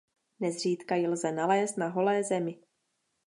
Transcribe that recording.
Nezřídka ji lze nalézt na holé zemi.